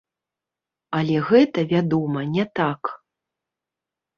Але гэта, вядома, не так.